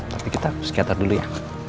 tapi kita psikiater dulu ya